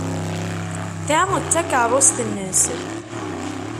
Ta d takeṛṛust-nnes.